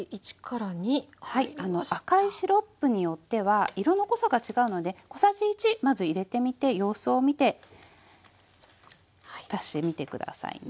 赤いシロップによっては色の濃さが違うので小さじ１まず入れてみて様子を見て足してみて下さいね。